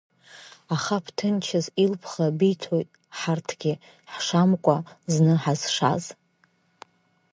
Аха бҭынчыз, илԥха биҭоит, ҳарҭгьы ҳшамкәа зны ҳазшаз.